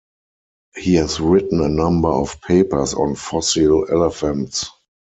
He has written a number of papers on fossil elephants.